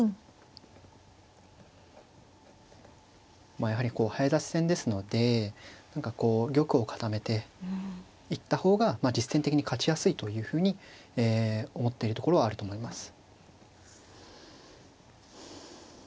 まあやはり早指し戦ですので何かこう玉を固めていった方が実戦的に勝ちやすいというふうに思っているところはあると思います。